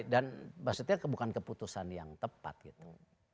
dan maksudnya bukan keputusan yang tepat gitu